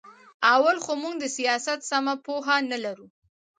اول خو موږ د سیاست سمه پوهه نه لرو.